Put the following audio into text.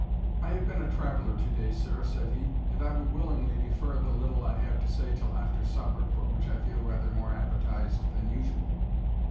"I have been a traveller to day, sir," said he, "and I would willingly defer the little I have to say till after supper, for which I feel rather more appetized than usual."